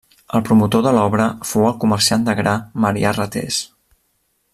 El promotor de l'obra fou el comerciant de gra Marià Ratés.